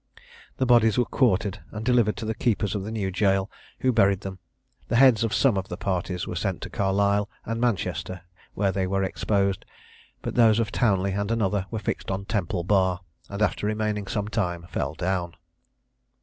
The bodies were quartered, and delivered to the keepers of the New Jail, who buried them: the heads of some of the parties were sent to Carlisle and Manchester, where they were exposed; but those of Townley and another were fixed on Temple Bar, and after remaining some time, fell down.